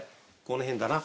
この辺だな。